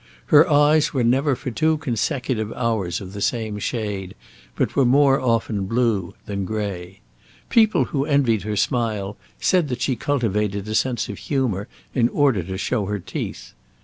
Her eyes were never for two consecutive hours of the same shade, but were more often blue than grey. People who envied her smile said that she cultivated a sense of humour in order to show her teeth.